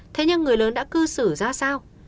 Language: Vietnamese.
thế nhưng người lớn đã cư xử ra sao